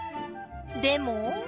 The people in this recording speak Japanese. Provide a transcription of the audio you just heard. でも。